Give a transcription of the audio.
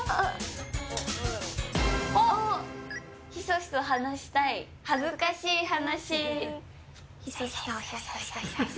ひそひそ話したい恥ずかしい話。